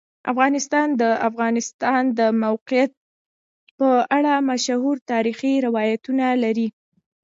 افغانستان د د افغانستان د موقعیت په اړه مشهور تاریخی روایتونه لري.